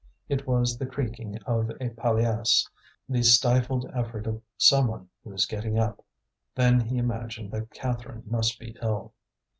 It was the creaking of a palliasse, the stifled effort of someone who is getting up. Then he imagined that Catherine must be ill.